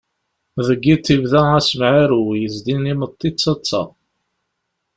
Deg yiḍ yebda asemɛirew yezdin imeṭṭi d taḍṣa.